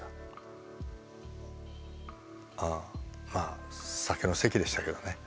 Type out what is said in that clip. まあ酒の席でしたけどね。